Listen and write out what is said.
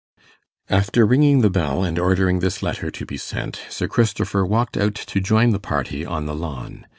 After ringing the bell and ordering this letter to be sent, Sir Christopher walked out to join the party on the lawn.